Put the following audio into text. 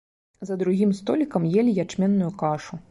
За другім столікам елі ячменную кашу.